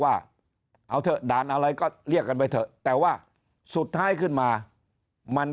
ว่าเอาเถอะด่านอะไรก็เรียกกันไปเถอะแต่ว่าสุดท้ายขึ้นมามัน